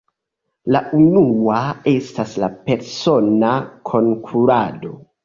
La unua estas la persona konkurado.